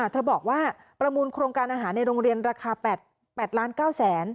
เธอบอกว่าประมูลโครงการอาหารในโรงเรียนราคา๘๙๐๐